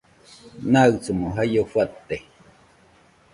Naɨsomo jaio fate